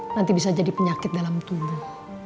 nanti bisa jadi penyakit dalam tubuh